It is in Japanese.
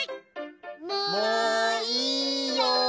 もういいよ！